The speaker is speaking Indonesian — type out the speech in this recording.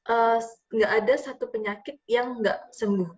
enggak ada satu penyakit yang nggak sembuh